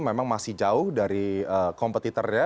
memang masih jauh dari kompetitornya